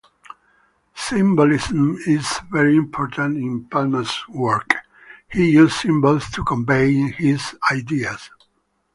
Symbolism is very important in Palma's work: he uses symbols to convey his ideas.